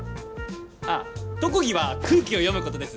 あっ特技は空気を読むことです。